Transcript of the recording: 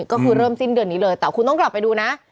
ก็คือเริ่มสิ้นเดือนนี้เลยแต่คุณต้องกลับไปดูนะ